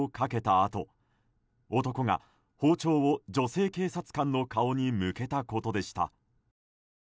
あと男が包丁を女性警察官の顔に向けたことでした。